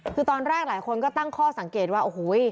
คือตอนแรกหลายคนก็ตั้งข้อสังเกตว่าโอ้โห